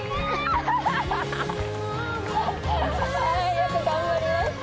よく頑張りました！